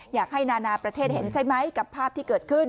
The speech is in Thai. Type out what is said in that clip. อยากให้นานาประเทศเห็นใช่ไหมกับภาพที่เกิดขึ้น